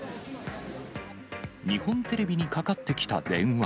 日本テレビにかかってきた電話。